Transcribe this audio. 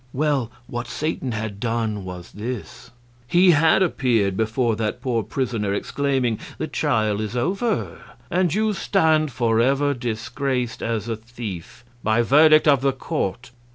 Well, what Satan had done was this: he had appeared before that poor prisoner, exclaiming, "The trial is over, and you stand forever disgraced as a thief by verdict of the court!"